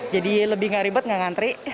jadi lebih nggak ribet nggak ngantri